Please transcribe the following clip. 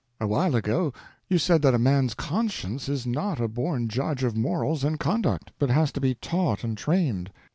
A while ago you said that man's conscience is not a born judge of morals and conduct, but has to be taught and trained.